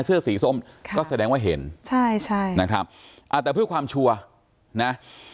เสื้อสีส้มค่ะก็แสดงว่าเห็นใช่ใช่นะครับอ่าแต่เพื่อความชัวร์นะ